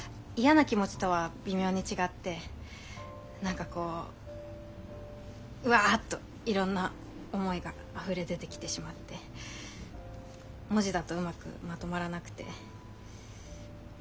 嫌な気持ちとは微妙に違って何かこうウワァッといろんな思いが溢れ出てきてしまって文字だとうまくまとまらなくて。